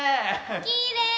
きれい！